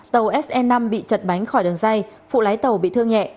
tàu se năm bị chật bánh khỏi đường dây phụ lái tàu bị thương nhẹ